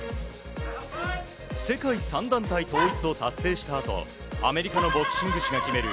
世界３団体統一を達成したあとアメリカのボクシング誌が決める